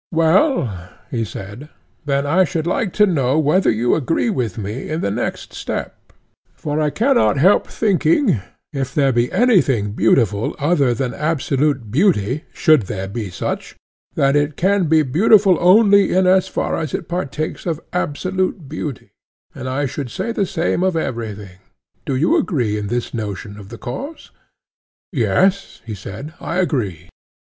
Well, he said, then I should like to know whether you agree with me in the next step; for I cannot help thinking, if there be anything beautiful other than absolute beauty should there be such, that it can be beautiful only in as far as it partakes of absolute beauty—and I should say the same of everything. Do you agree in this notion of the cause? Yes, he said, I agree.